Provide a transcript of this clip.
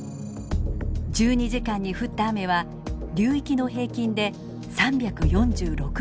１２時間に降った雨は流域の平均で３４６ｍｍ。